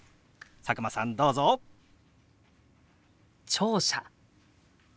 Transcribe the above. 聴者。